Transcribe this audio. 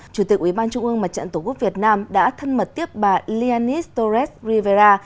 chủ tịch ubnd mặt trận tổ quốc việt nam đã thân mật tiếp bà lianis torres rivera